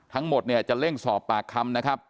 ทั้งหมดเนี่ยจะเร่งสอบปากคำนะครับ